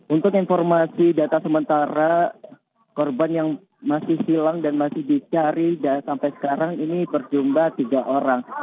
untuk informasi data sementara korban yang masih hilang dan masih dicari dan sampai sekarang ini berjumlah tiga orang